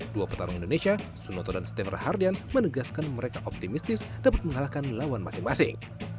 dua petarung indonesia sunoto dan stemra hardian menegaskan mereka optimistis dapat mengalahkan lawan masing masing